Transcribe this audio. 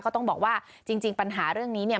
ต้องบอกว่าจริงปัญหาเรื่องนี้เนี่ย